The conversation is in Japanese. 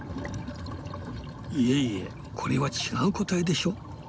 いえいえこれは違う個体でしょ。